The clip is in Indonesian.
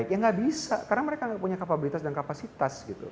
tapi mereka gak bisa karena mereka gak punya kapabilitas dan kapasitas